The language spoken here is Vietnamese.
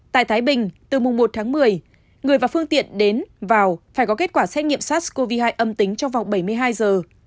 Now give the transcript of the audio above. tại thái bình từ mùng một tháng một mươi người và phương tiện đến vào phải có kết quả xét nghiệm sars cov hai âm tính trong vòng bảy mươi hai giờ